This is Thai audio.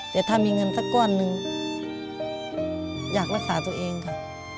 แต่ถ้ามีเงินสักก้อนหนึ่งอยากรักษาตัวเองค่ะ